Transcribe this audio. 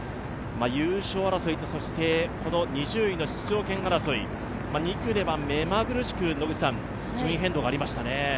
優勝争いと、２０位の出場権争い２区では目まぐるしく順位変動がありましたね。